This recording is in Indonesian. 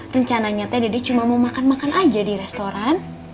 rencana nyatanya dedek cuma mau makan makan aja di restoran